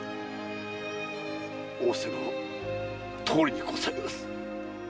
仰せのとおりにございます。